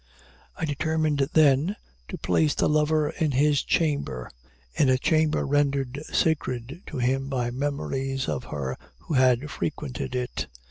I determined, then, to place the lover in his chamber in a chamber rendered sacred to him by memories of her who had frequented it.